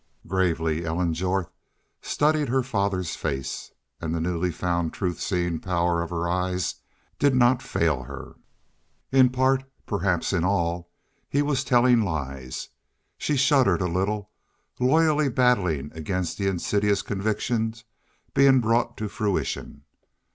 Gravely Ellen Jorth studied her father's face, and the newly found truth seeing power of her eyes did not fail her. In part, perhaps in all, he was telling lies. She shuddered a little, loyally battling against the insidious convictions being brought to fruition.